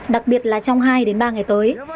đặc biệt là trong hai ba ngày tới